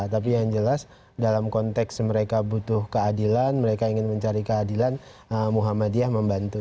tapi yang jelas dalam konteks mereka butuh keadilan mereka ingin mencari keadilan muhammadiyah membantu